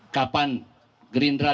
kapan gerindra dki